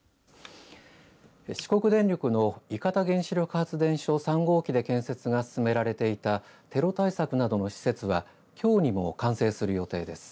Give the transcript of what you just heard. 四国電力の伊方原子力発電所３号機で建設が進められていたテロ対策などの施設はきょうにも完成する予定です。